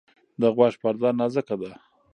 د غوږ پرده نازکه ده.